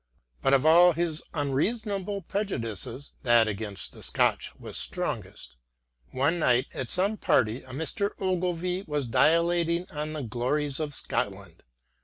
But of all his unreasonable prejudices, that against the Scotch was strongest. One night at some party a Mr. Ogilvie was dilating on the glories of Scotland.